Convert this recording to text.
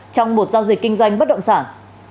trong một giao dịch kinh doanh bất động sản